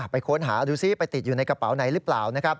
ไปค้นหาดูซิไปติดอยู่ในกระเป๋าไหนหรือเปล่านะครับ